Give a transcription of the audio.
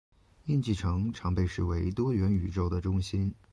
印记城常被视为多元宇宙的中心。